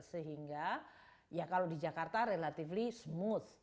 sehingga ya kalau di jakarta relatively smooth